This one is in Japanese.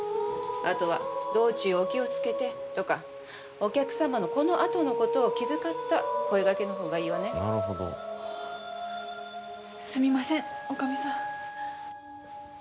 あとは「道中お気をつけて」とかお客様のこのあとのことを気遣った声がけのほうがいいわねあっすみません女将さん